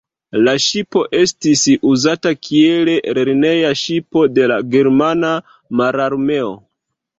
La ŝipo estis uzata kiel lerneja ŝipo de la Germana Mararmeo.